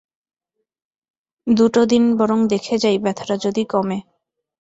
দুটো দিন বরং দেখে যাই, ব্যথাটা যদি কমে।